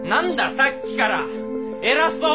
さっきから偉そうに！